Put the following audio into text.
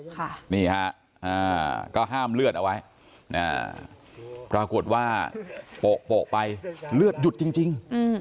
ค่ะนี่ฮะก็ห้ามเลือดเอาไว้ปรากฏว่าโปะไปเลือดหยุดจริง